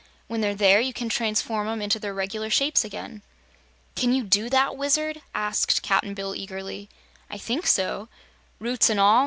When they're there, you can transform 'em into their reg'lar shapes again!" "Can you do that, Wizard?" asked Cap'n Bill, eagerly. "I think so." "Roots an' all?"